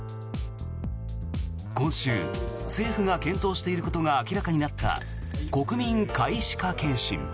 今週、政府が検討していることが明らかになった国民皆歯科検診。